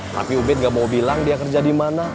tapi ubid gak mau bilang dia kerja di mana